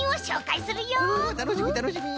たのしみたのしみ。